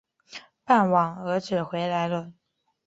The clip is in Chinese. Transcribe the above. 傍晚儿子回来了